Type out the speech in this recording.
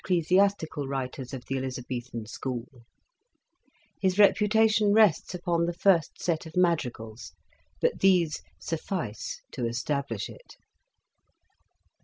clesiastical writers of the Elizabethan school ; his reputation rests upon the ' First Set of Madrigals,'" but these suffice to establish it.